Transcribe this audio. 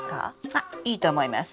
あいいと思います。